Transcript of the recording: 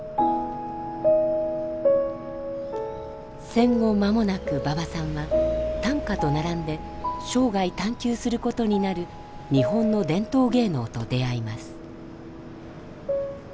戦後間もなく馬場さんは短歌と並んで生涯探求することになる日本の伝統芸能と出会います。